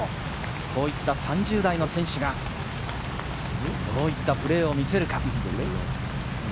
こういった３０代の選手がどういったプレーを見せるか。